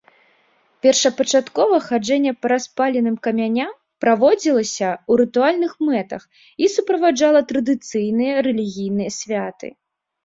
Першапачаткова хаджэнне па распаленым камяням праводзілася ў рытуальных мэтах і суправаджала традыцыйныя рэлігійныя святы.